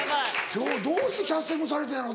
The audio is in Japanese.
今日どうしてキャスティングされたんやろ？